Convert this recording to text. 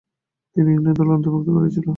তিনি ইংল্যান্ড দলে অন্তর্ভুক্ত করা হয়েছিল।